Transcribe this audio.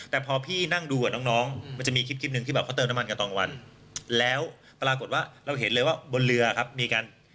ทิ้งของทำไม